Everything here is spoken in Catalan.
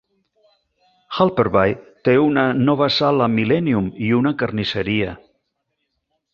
Helperby té una nova sala Millennium i una carnisseria.